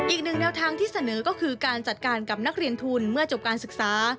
อีกหนึ่งแนวทางที่เสนอก็คือการจัดการกับนักเรียนทุนเมื่อจบการศึกษา